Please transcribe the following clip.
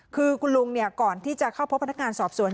คือคุณลุงก่อนที่จะเข้าพบพนักงานสอบสวน